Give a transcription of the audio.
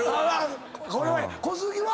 これは小杉は？